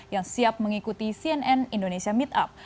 yang siap mengikuti cnn indonesia meetup